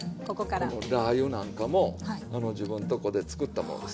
このラー油なんかも自分とこでつくったものです。